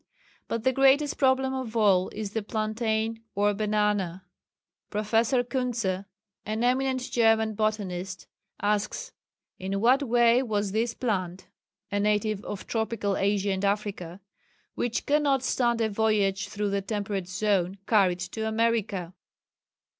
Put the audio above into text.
But the greatest problem of all is the plantain or banana. Professor Kuntze, an eminent German botanist, asks, "In what way was this plant" (a native of tropical Asia and Africa) "which cannot stand a voyage through the temperate zone, carried to America?"